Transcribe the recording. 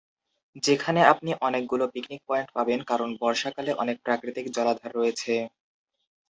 যেখানে আপনি অনেকগুলো পিকনিক পয়েন্ট পাবেন কারণ বর্ষাকালে অনেক প্রাকৃতিক জলাধার রয়েছে।